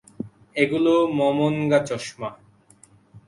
এগুলো মমোনগা চশমা।